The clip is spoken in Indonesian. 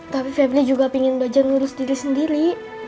tapi febri juga pengen belajar ngurus diri sendiri